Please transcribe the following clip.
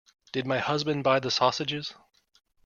Did my husband buy the sausages?